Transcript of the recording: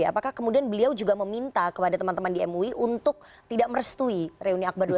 apakah kemudian beliau juga meminta kepada teman teman di mui untuk tidak merestui reuni akbar dua ratus dua belas